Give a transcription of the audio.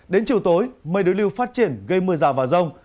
đến chiều tối mây đối lưu phát triển gây mưa rào và rông